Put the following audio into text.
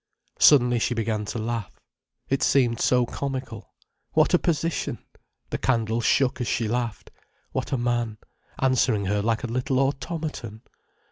Suddenly she began to laugh. It seemed so comical. What a position! The candle shook as she laughed. What a man, answering her like a little automaton!